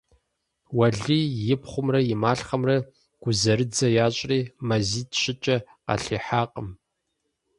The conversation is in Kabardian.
Уэлий и пхъумрэ и малъхъэмрэ гузэрыдзэ ящӀри, мазитӀ-щыкӀэ къалъихьакъым.